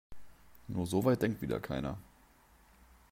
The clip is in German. Nur so weit denkt wieder keiner.